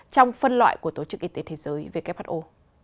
trong phân loại của tổ chức y tế thế giới who